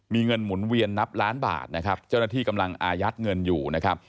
มีเงินหมุนเวียนนับล้านบาทนะครับเจ้าหน้าที่กำลังอายัดเงินอยู่นะครับ